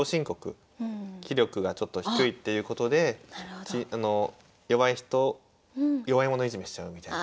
棋力がちょっと低いっていうことで弱い人を弱い者いじめしちゃうみたいな。